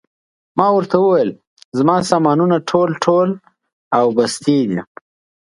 ما ورته وویل: زما سامانونه ټول، ټول او بستې دي.